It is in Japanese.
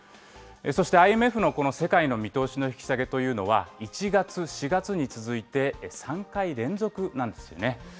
そしてＩＭＦのこの世界の見通しの引き下げというのは、１月、４月に続いて３回連続なんですよね。